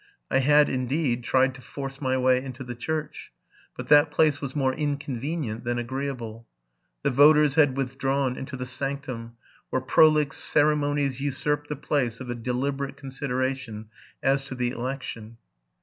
I had, indeed, tried to force my way into the church ; but that place was more inconvenient than agreeable. 'The voters had with drawn into the sanctum, where prolix ceremonies usurped the place of a deliberate consideration as to the election.